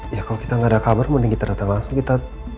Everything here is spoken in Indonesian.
ya kalau kita nggak ada kabar mendingan kita datang langsung kita